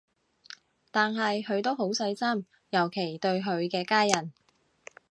但係佢都好細心，尤其對佢嘅家人